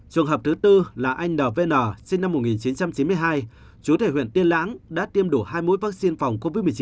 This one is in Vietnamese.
trường hợp thứ tư là anh nvn sinh năm một nghìn chín trăm chín mươi hai chú thể huyện tiên lãng đã tiêm đủ hai mũi vaccine phòng covid một mươi chín